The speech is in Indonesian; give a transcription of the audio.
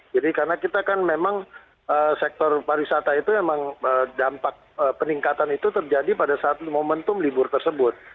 jadi karena kita kan memang sektor pariwisata itu memang dampak peningkatan itu terjadi pada saat momentum libur tersebut